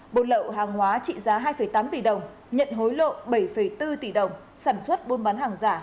buôn lậu hàng hóa trị giá hai tám tỷ đồng nhận hối lộ bảy bốn tỷ đồng sản xuất buôn bán hàng giả